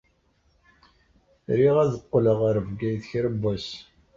Riɣ ad qqleɣ ɣer Bgayet kra n wass.